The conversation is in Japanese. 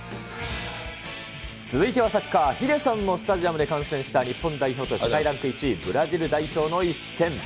続いてはサッカー、ヒデさんもスタジアムで観戦した日本代表と世界ランク１位、ブラジル代表の一戦。